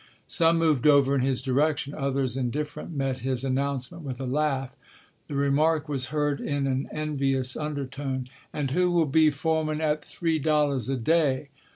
Some moved over in his direction; others, indifferent, met his announcement with a laugh. The remark was heard in an envious undertone: "And who will be foreman at three dollars a day?